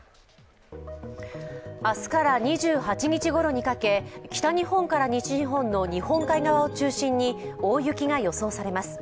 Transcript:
明日から２８日ごろにかけ、北日本から西日本の日本海側を中心に大雪が予想されます。